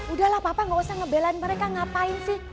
udah lah papa nggak usah ngebelain mereka ngapain sih